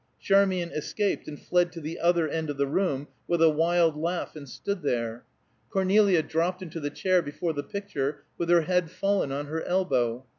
Charmian escaped, and fled to the other end of the room with a wild laugh, and stood there. Cornelia dropped into the chair before the picture, with her head fallen on her elbow.